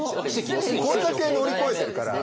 これだけ乗り越えてるから。